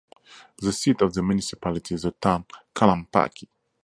The seat of the municipality is the town Kalampaki.